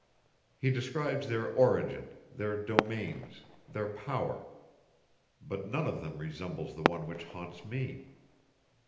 He describes their origin, their domains, their power; but none of them resembles the one which haunts me.